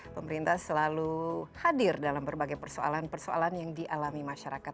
pemerintah selalu hadir dalam berbagai persoalan persoalan yang dialami masyarakat